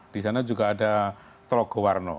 disana juga ada trogoarno